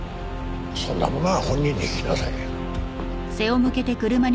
そんなものは本人に聞きなさいよ。